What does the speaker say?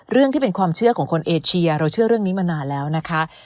ที่เป็นความเชื่อของคนเอเชียเราเชื่อเรื่องนี้มานานแล้วนะคะ